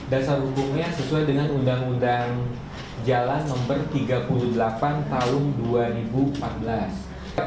dasar hukumnya sesuai dengan undang undang jalan no tiga puluh delapan tahun dua ribu empat belas